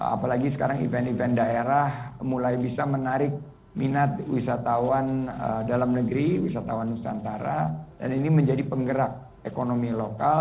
apalagi sekarang event event daerah mulai bisa menarik minat wisatawan dalam negeri wisatawan nusantara dan ini menjadi penggerak ekonomi lokal